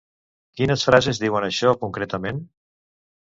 Quines frases diuen això, concretament?